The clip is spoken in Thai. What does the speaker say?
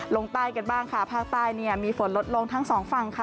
ลงใต้กันบ้างค่ะภาคใต้เนี่ยมีฝนลดลงทั้งสองฝั่งค่ะ